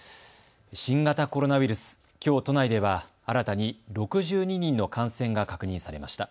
新型コロナウイルス、きょう都内では新たに６２人の感染が確認されました。